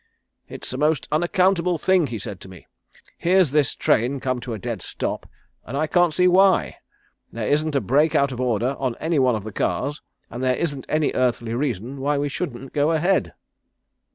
"'It's the most unaccountable thing,' he said to me. 'Here's this train come to a dead stop and I can't see why. There isn't a brake out of order on any one of the cars, and there isn't any earthly reason why we shouldn't go ahead.'